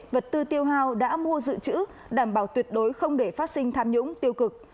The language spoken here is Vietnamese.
vật tư tiêu hào đã mua dự trữ đảm bảo tuyệt đối không để phát sinh tham nhũng tiêu cực